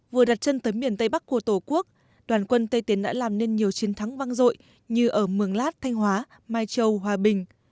vừa đặt chân tới miền tây bắc của tổ quốc đoàn quân tây tiến đã làm nên nhiều chiến thắng vang dội như ở mường lát thanh hóa mai châu hòa bình